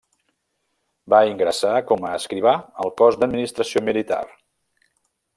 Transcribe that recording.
Va ingressar com a escrivà al Cos d'Administració Militar.